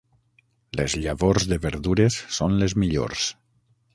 Les llavors de verdures són les millors.